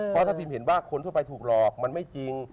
เพราะถ้าพิมเห็นว่าคนทั่วไปถูกหลอกมันไม่จริง